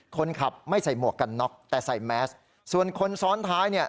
คนขับไม่ใส่หมวกกันน็อกแต่ใส่แมสส่วนคนซ้อนท้ายเนี่ย